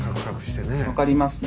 分かりますね。